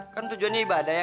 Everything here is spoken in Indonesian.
kan tujuannya ibadah ya